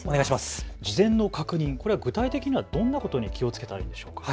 事前の確認、これ具体的にはどんなことに気をつけたらいいんでしょうか。